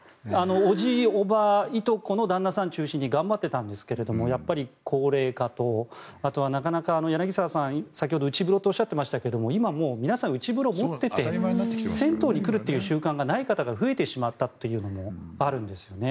おじい、おばあいとこの旦那さんを中心に頑張っていたんですがやっぱり高齢化とあとはなかなか柳澤さん、先ほど内風呂とおっしゃっていましたが今はもう皆さん、内風呂を持っていて銭湯に来るという習慣がない方が増えてしまったというのもあるんですよね。